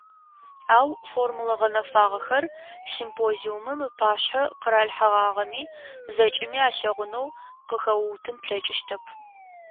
Ау, формула гъэнэфагъэхэр, симпозиумым ыпашъхьэ къыралъхьэгъагъэми, зэкӏэми алъэгъунэу къыхэуутын плъэкӏыщтэп.